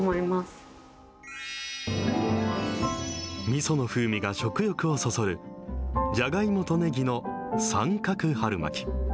みその風味が食欲をそそる、じゃがいもとねぎの三角春巻。